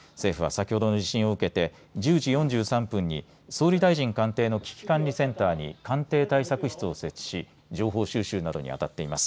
先ほどの地震を受けて政府は１０時４３分に総理大臣官邸の危機管理センターに官邸対策室を設置し情報収集などにあたっています。